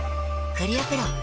クリアプロだＣ。